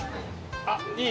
あっいい？